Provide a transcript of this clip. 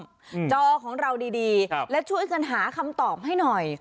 อืมจอของเราดีและช่วยกันหาคำตอบให้หน่อย